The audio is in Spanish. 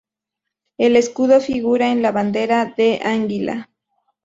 El escudo figura en la bandera de Anguila.